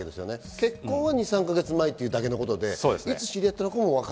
結婚は２３か月前ということだけで、いつ知り合ったのかはわか